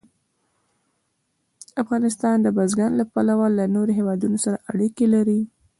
افغانستان د بزګان له پلوه له نورو هېوادونو سره اړیکې لري.